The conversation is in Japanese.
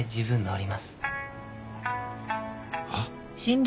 あっ？